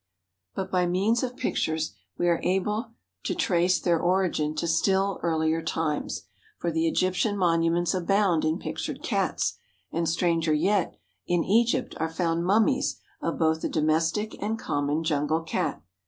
But by means of pictures we are able trace their origin to still earlier times, for the Egyptian monuments abound in pictured Cats, and, stranger yet, in Egypt are found mummies of both the domestic and common jungle Cat.